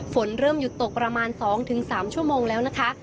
ฝนเริ่มหยุดตกประมาณ๒๓ชั่วโมงแล้วนะคะ